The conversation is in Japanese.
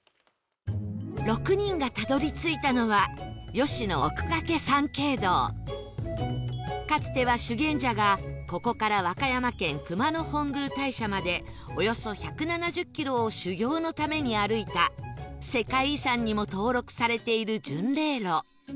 ６人がたどり着いたのはかつては修験者がここから和歌山県熊野本宮大社までおよそ１７０キロを修行のために歩いた世界遺産にも登録されている巡礼路